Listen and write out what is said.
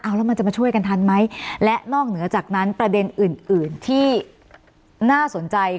แล้วมันจะมาช่วยกันทันไหมและนอกเหนือจากนั้นประเด็นอื่นอื่นที่น่าสนใจ